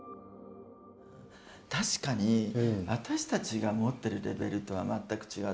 確かに私たちが持ってるレベルとは全く違うとは思いますよね。